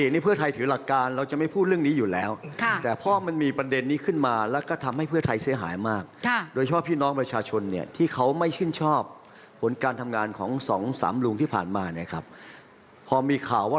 ในฐานะหัวหน้าพักผมประกาศมาหลายเวทีแล้วว่า